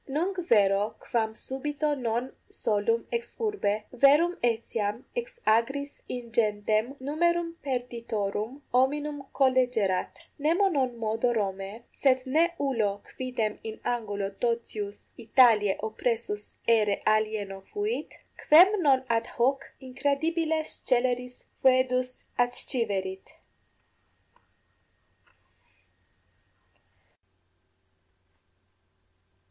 Nunc vero quam subito non solum ex urbe, verum etiam ex agris ingentem numerum perditorum hominum collegerat! Nemo non modo Romae, sed 9 ne ullo quidem in angulo totius Italiae oppressus aere alieno fuit, quem non ad hoc incredibile sceleris foedus adsciverit.